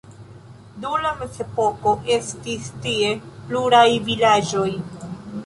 Dum la mezepoko estis tie pluraj vilaĝoj.